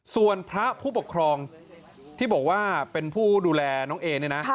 ส่วนพระผู้ปกครองที่บอกว่าเป็นผู้ดูแลน้องเอเนี่ยนะ